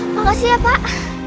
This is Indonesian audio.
makasih ya pak